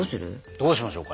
どうしましょうか。